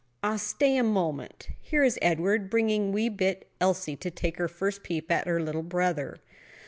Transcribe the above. Ah, stay a moment! here is Edward bringing wee bit Elsie to take her first peep at her little brother."